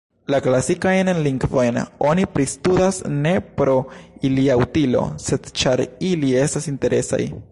La klasikajn lingvojn oni pristudas ne pro ilia utilo, sed ĉar ili estas interesaj.